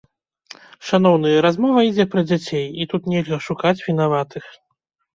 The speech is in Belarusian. Шаноўныя, размова ідзе пра дзяцей, і тут нельга шукаць вінаватых.